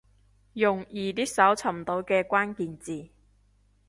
用易啲搜尋到嘅關鍵字